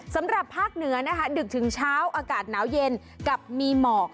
สำหรับภาคเหนือนะคะดึกถึงเช้าอากาศหนาวเย็นกับมีหมอก